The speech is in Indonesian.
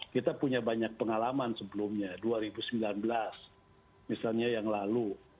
kita punya banyak pengalaman sebelumnya dua ribu sembilan belas misalnya yang lalu